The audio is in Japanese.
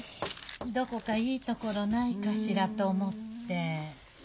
どこかいいところないかしらと思って。